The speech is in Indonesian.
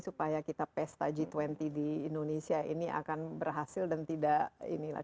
supaya kita pesta g dua puluh di indonesia ini akan berhasil dan tidak inilah